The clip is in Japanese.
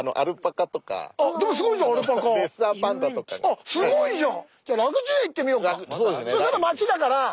あっすごいじゃん！